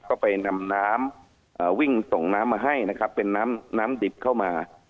ก็ไปนำน้ำวิ่งส่งน้ำมาให้นะครับเป็นน้ำน้ำดิบเข้ามา